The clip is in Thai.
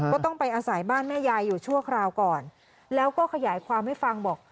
ก็ต้องไปอาศัยบ้านแม่ยายอยู่ชั่วคราวก่อนแล้วก็ขยายความให้ฟังบอก